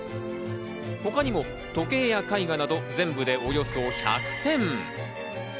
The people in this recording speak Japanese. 他にも時計や絵画など全部でおよそ１００点。